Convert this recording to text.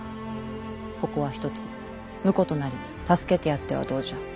ここはひとつ婿となり助けてやってはどうじゃ。